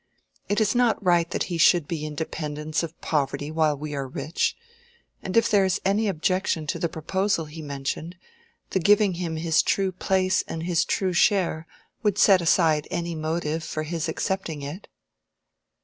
It is not right that he should be in the dependence of poverty while we are rich. And if there is any objection to the proposal he mentioned, the giving him his true place and his true share would set aside any motive for his accepting it."